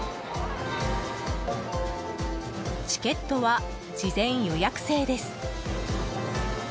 チケットは事前予約制です。